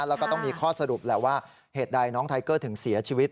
แล้วก็ต้องมีข้อสรุปแหละว่าเหตุใดน้องไทเกอร์ถึงเสียชีวิต